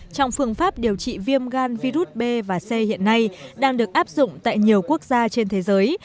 trong phương pháp điều trị viêm gan virus b và c hiện nay đang được áp dụng tại nhiều quốc gia trên thế giới